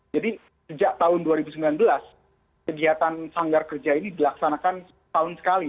jadi sejak tahun dua ribu sembilan belas kegiatan sanggar kerja ini dilaksanakan tahun sekali